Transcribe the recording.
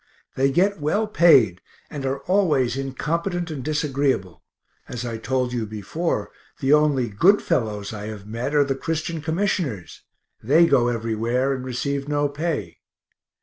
They get well paid, and are always incompetent and disagreeable; as I told you before, the only good fellows I have met are the Christian commissioners they go everywhere and receive no pay.